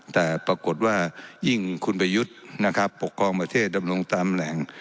แต่ปรากฏว่ายิ่งคุณประยุทธ์นะครับปกครองประเทศดำรงตำแหน่ง